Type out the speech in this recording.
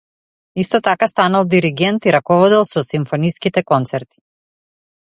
Исто така станал диригент и раководел со симфониските концерти.